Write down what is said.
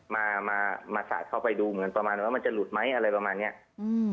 มามาสาดเข้าไปดูเหมือนประมาณว่ามันจะหลุดไหมอะไรประมาณเนี้ยอืม